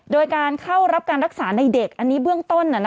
โดยการเข้ารับการรักษาในเด็กอันนี้เบื้องต้น